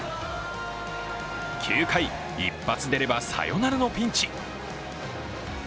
９回、一発出ればサヨナラのピンチ。